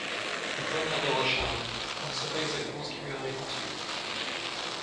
Elle poignardera Charles, on ne sait pas exactement ce qui lui arrive ensuite.